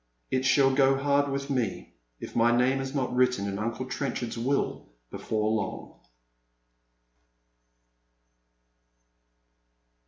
" It shall go hard with me if my naoM is not written in Uncle Trenchard's will before long."